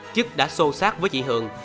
chức đã xô xác với chị hường